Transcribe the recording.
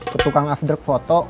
ke tukang afdruk foto